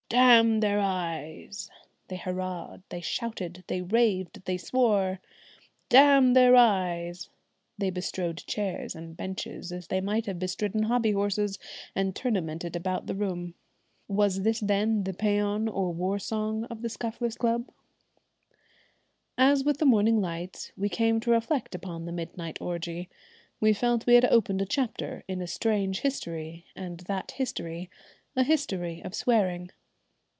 "Damn their eyes!" they hurrahed, they shouted, they raved, they swore. "Damn their eyes!" they bestrode chairs and benches, as they might have bestridden hobby horses, and tournamented about the room. Was this then the pæan or war song of the Scufflers' Club? As with the morning light we came to reflect upon the midnight orgie, we felt we had opened a chapter in a strange history, and that history a history of swearing.